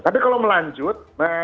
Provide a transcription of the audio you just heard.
tapi kalau melanjut